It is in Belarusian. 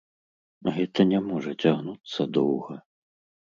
Гэта не можа цягнуцца доўга.